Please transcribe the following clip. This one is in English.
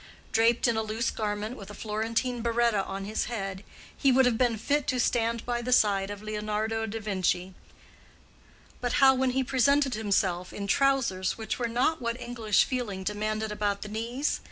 Draped in a loose garment with a Florentine berretta on his head, he would have been fit to stand by the side of Leonardo de Vinci; but how when he presented himself in trousers which were not what English feeling demanded about the knees?